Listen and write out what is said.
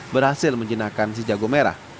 berhasil menjenakkan si jago merah